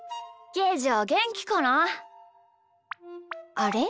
あれ？